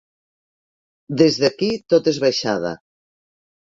Des d'aquí tot és baixada.